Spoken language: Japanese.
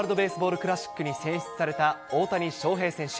クラシックに選出された大谷翔平選手。